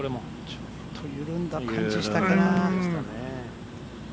ちょっと緩んだ感じしたかな。